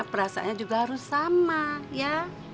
rasanya juga harus sama ya